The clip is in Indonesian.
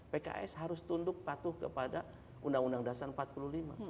pks harus tunduk patuh kepada undang undang dasar empat puluh lima